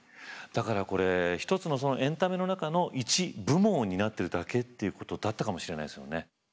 だからこれ一つのエンタメの中の１部門を担ってるだけっていうことだったかもしれないですね。